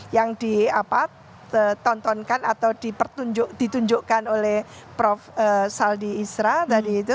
yang ditontonkan atau ditunjukkan oleh prof saldi isra tadi itu